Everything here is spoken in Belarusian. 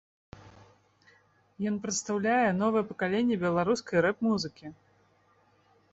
Ён прадстаўляе новае пакаленне беларускай рэп-музыкі.